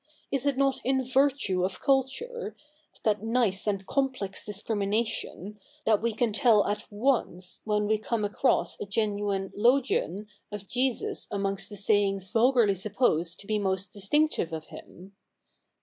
Is it not in virtue of culture— of that nice and complex discrimination— that we can tell at once when we come across a genuine logio?t of Jesus amongst the sayings vulgarly supposed to be most distinctive of Him